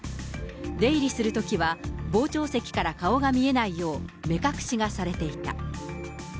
出入りするときは、傍聴席から顔が見えないよう目隠しがされていた。